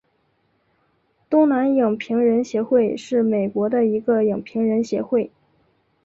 东南影评人协会是美国的一个影评人协会。